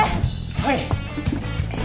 はい。